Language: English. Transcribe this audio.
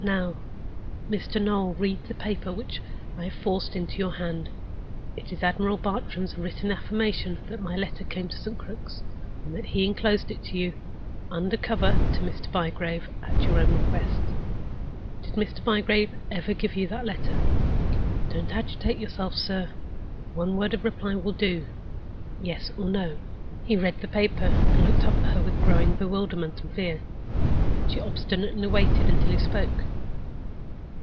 Now, Mr. Noel, read the paper which I have forced into your hand. It is Admiral Bartram's written affirmation that my letter came to St. Crux, and that he inclosed it to you, under cover to Mr. Bygrave, at your own request. Did Mr. Bygrave ever give you that letter? Don't agitate yourself, sir! One word of reply will do—Yes or No." He read the paper, and looked up at her with growing bewilderment and fear. She obstinately waited until he spoke.